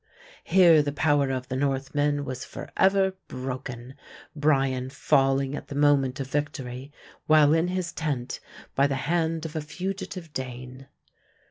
Here the power of the Northmen was forever broken, Brian falling at the moment of victory, while in his tent, by the hand of a fugitive Dane.